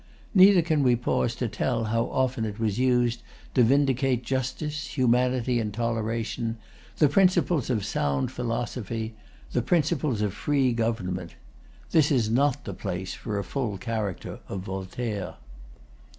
Neither can we pause to tell how often it was used to vindicate justice, humanity, and toleration, the principles of sound philosophy, the principles of free government. This is not the place for a full character of Voltaire.